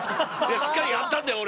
しっかりやったんだよ